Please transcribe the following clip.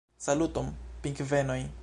Saluton, pingvenoj!!